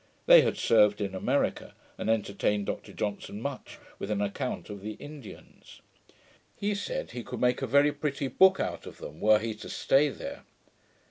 They had served in America, and entertained Dr Johnson much with an account of the Indians. He said, he could make a very pretty book out of them, were he to stay there.